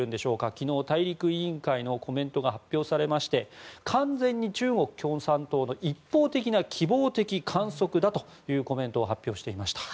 昨日、大陸委員会のコメントが発表されまして完全に中国共産党の一方的な希望的観測だというコメントを発表していました。